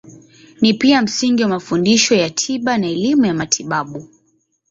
Ni pia msingi wa mafundisho ya tiba na elimu ya matibabu.